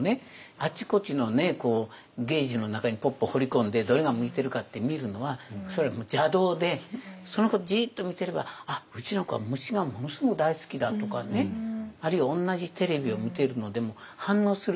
あちこちのねゲージの中にぽっぽ放り込んでどれが向いてるかって見るのはそれは邪道でその子をじっと見てればあっうちの子は虫がものすごく大好きだとかねあるいは同じテレビを見てるのでも反応する場面が違うと。